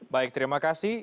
baik terima kasih